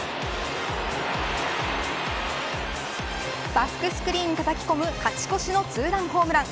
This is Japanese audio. バックスクリーンにたたき込む勝ち越しのツーランホームラン。